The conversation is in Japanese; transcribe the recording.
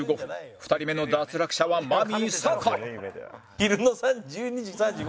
２人目の脱落者はマミィ酒井